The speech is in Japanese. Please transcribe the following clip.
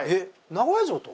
名古屋城と！？